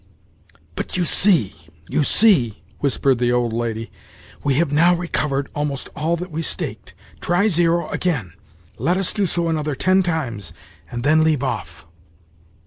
"But you see, you see," whispered the old lady. "We have now recovered almost all that we staked. Try zero again. Let us do so another ten times, and then leave off."